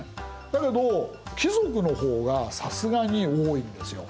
だけど貴族の方がさすがに多いんですよ。